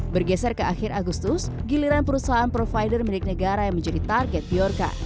bergeser ke akhir agustus giliran perusahaan provider milik negara yang menjadi target bjorka